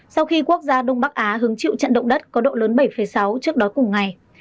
sau khi quốc gia đông bắc á hứng chịu trận động đất có độ lớn bảy sáu trước đó cùng ngày